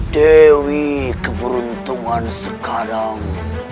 dewi keberuntungan sekarang